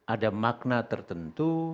ada makna tertentu